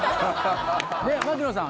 牧野さん